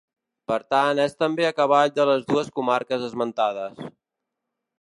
Per tant, és també a cavall de les dues comarques esmentades.